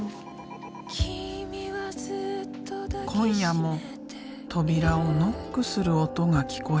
今夜も扉をノックする音が聞こえる。